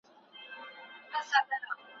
بانکداري د اقتصاد لپاره مهمه ده.